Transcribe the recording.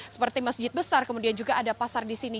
seperti masjid besar kemudian juga ada pasar di sini